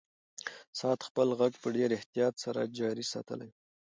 ساعت خپل غږ په ډېر احتیاط سره جاري ساتلی و.